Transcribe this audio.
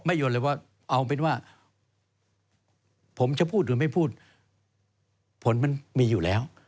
โยนเลยว่าเอาเป็นว่าผมจะพูดหรือไม่พูดผลมันมีอยู่แล้ว